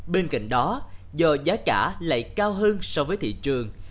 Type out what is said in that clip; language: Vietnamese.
bên cạnh đó do giá trả lại cao hơn so với thị trường